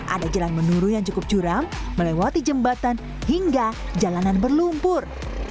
ada jalan menurun yang cukup curam melewati jembatan hingga jalanan berlumpur